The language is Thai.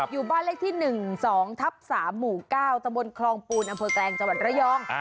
อยู่บ้านเลขที่๑๒ทับ๓หมู่๙ตะบนคลองปูนอำเภอแกลงจังหวัดระยอง